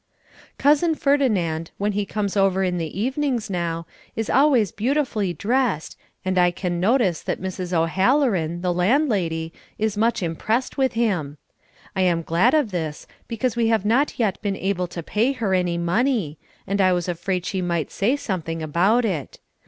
Cousin Ferdinand, when he comes over in the evenings now, is always beautifully dressed and I can notice that Mrs. O'Halloran, the landlady, is much impressed with him. I am glad of this because we have not yet been able to pay her any money and I was afraid she might say something about it.